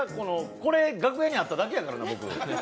これ、楽屋にあっただけやかな僕。